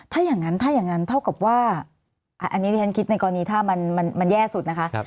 ถ้าอย่างนั้นถ้าอย่างนั้นเท่ากับว่าอันนี้ที่ฉันคิดในกรณีถ้ามันแย่สุดนะคะ